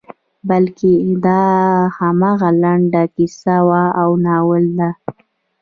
بلکې دا همغه لنډه کیسه او ناول ده.